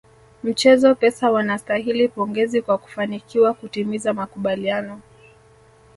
Mchezo Pesa wanastahili pongezi kwa kufanikiwa kutimiza makubaliano